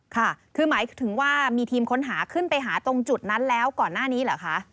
ค่ะคือหมายถึงว่ามีทีมค้นหาขึ้นไปหาตรงจุดนั้นแล้วก่อนหน้านี้เหรอคะ